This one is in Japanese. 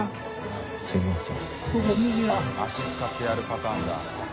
使ってやるパターンだ。